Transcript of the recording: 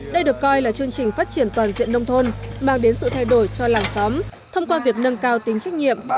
đây được coi là chương trình phát triển toàn diện nông thôn mang đến sự thay đổi cho làng xóm thông qua việc nâng cao tính trách nhiệm